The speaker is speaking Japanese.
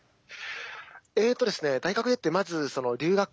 えとですね大学出てまず留学。